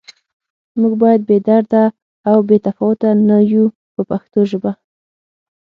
موږ باید بې درده او بې تفاوته نه یو په پښتو ژبه.